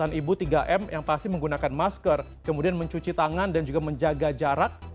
anda juga harus ingat pesan ibu tiga m yang pasti menggunakan masker kemudian mencuci tangan dan juga menjaga jarak